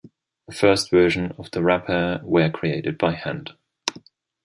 The first versions of the wrapper were created by hand.